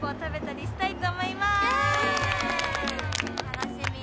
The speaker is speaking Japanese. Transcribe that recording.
楽しみ。